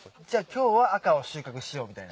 今日は赤を収穫しようみたいな？